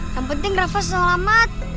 yang penting rafa selamat